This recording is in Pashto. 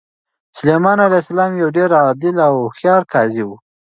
سلیمان علیه السلام یو ډېر عادل او هوښیار قاضي و.